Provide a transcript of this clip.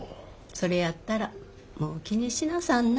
それやったらもう気にしなさんな。